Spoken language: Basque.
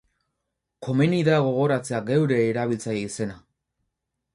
Komeni da gogoratzea geure erabiltzaile izena.